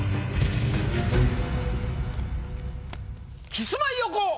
キスマイ横尾！